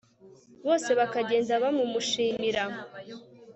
bose bakagenda bamumushimira